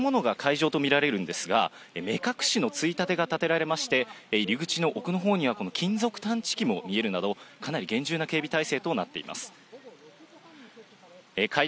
私の後ろに見える建物が会場と見られるんですが、目隠しのついたてが立てられまして、入り口の奥のほうには金属探知機も見えるなど、かなり厳重な警備体制となっています。